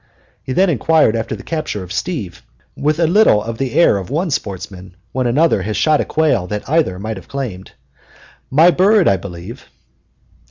He then inquired after the capture of "Steve" with a little of the air of one sportsman when another has shot a quail that either might have claimed "My bird, I believe?"